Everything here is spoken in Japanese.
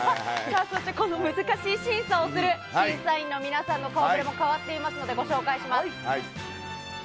そしてこの難しい審査をする審査員の皆さんの顔ぶれも変わっていますので、ご紹介します。